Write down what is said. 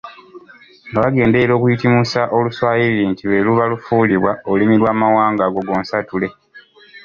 nga bagenderera okuyitimusa Oluswayiri nti lwe luba lufuulibwa olulimi lw’Amawanga ago gonsatule.